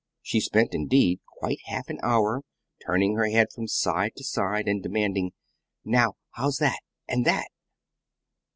She spent, indeed, quite half an hour turning her head from side to side, and demanding "Now how's that? and that?"